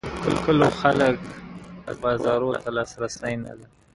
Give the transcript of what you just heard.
This race is named the Streibs after Whitley Strieber.